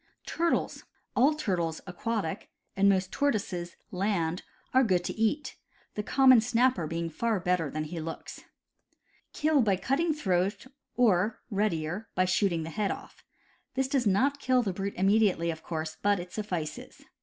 Turtles. — All turtles (aquatic) and most tortoises (land) are good to eat, the common snapper being far better than he looks. Kill by cutting throat or (readier) by shooting the head off. This does not kill the brute immediately, of course, but it suflSces.